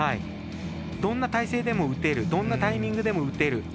どんな体勢でも打てるどんなタイミングでも打てる。